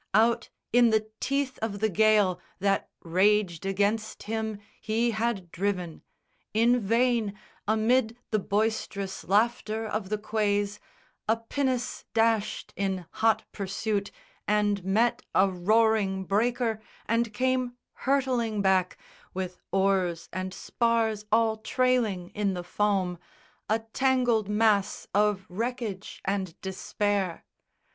Out in the teeth of the gale That raged against him he had driven. In vain, Amid the boisterous laughter of the quays, A pinnace dashed in hot pursuit and met A roaring breaker and came hurtling back With oars and spars all trailing in the foam, A tangled mass of wreckage and despair.